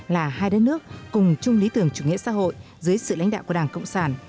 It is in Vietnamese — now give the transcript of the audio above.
là hai đất nước cùng chung lý tưởng chủ nghĩa xã hội dưới sự lãnh đạo của đảng cộng sản